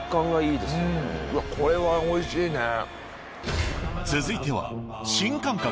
うわっこれはおいしいね続いては新感覚！